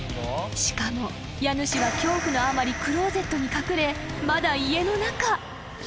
［しかも家主は恐怖のあまりクローゼットに隠れまだ家の中］